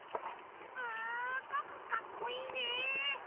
すっごくかっこいいね！